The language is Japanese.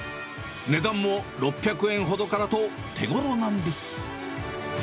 値段も６００円ほどからと手ごろなんです。